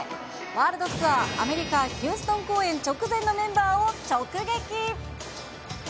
ワールドツアー、アメリカ・ヒューストン公演直前のメンバーを直撃！